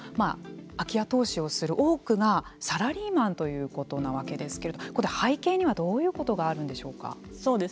空き家投資をする方の多くがサラリーマンということなわけですけれど背景にはどういうことがあるんでしょうか。